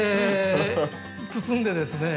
包んでですね